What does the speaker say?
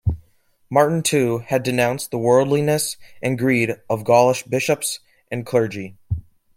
Martin, too, had denounced the worldliness and greed of the Gaulish bishops and clergy.